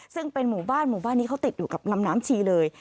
ซึ่งเป็นหมู่บ้านหมู่บ้านนี้เขาติดอยู่กับลำน้ำชีเลย